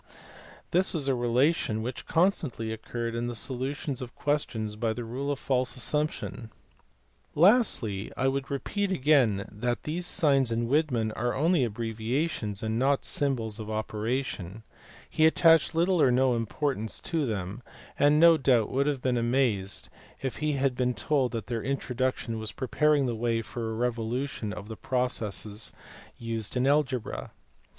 This was a relation which constantly occurred in solu tions of questions by the rule of false assumption (see ex. gr. above, p. 104). Lastly I would repeat again that these signs in Widman are only abbreviations and not symbols of operation ; he attached little or no importance to them, and no doubt would have been amazed if he had been told that their introduction was preparing the way for a revolution of the processes used in algebra.